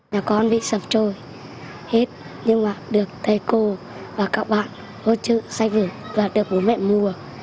nhà con bị sập trôi hết nhưng mà được thầy cô và các bạn hỗ trợ xây và được bố mẹ mua